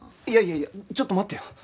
いやいやいやちょっと待ってよ。